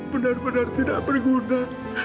benar benar tidak berguna